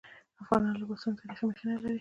د افغانانو لباسونه تاریخي مخینه لري.